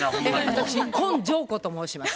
私根性子と申します。